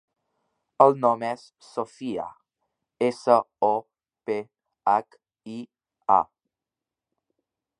El nom és Sophia: essa, o, pe, hac, i, a.